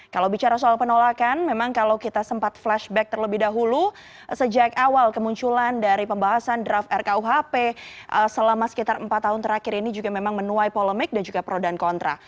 kalau bicara soal penolakan memang kalau kita sempat flashback terlebih dahulu sejak awal kemunculan dari pembahasan draft rkuhp selama sekitar empat tahun terakhir ini juga memang menuai polemik dan juga pro dan kontra